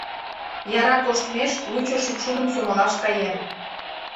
Яра коштмеш лучо шӱкшудым сомылаш каем!